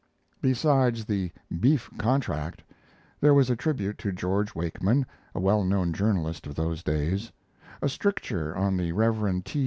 Besides the "Beef Contract," there was a tribute to George Wakeman, a well known journalist of those days; a stricture on the Rev. T.